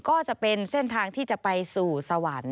ก็จะเป็นเส้นทางที่จะไปสู่สวรรค์